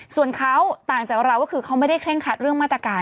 ส่วนเขาต่างจากเราก็คือเขาไม่ได้เคร่งครัดเรื่องมาตรการ